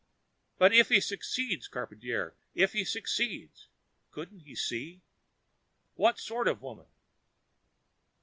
"But if he succeeds, Charpantier! If he succeeds!" Couldn't he see? "What sort of woman?"